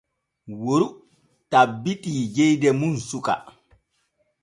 Woru tabbiti jeyde mum suke.